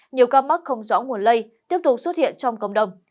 nhiều ca mắc không rõ nguồn lây tiếp tục xuất hiện trong cộng đồng